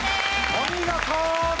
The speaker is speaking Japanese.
お見事ー！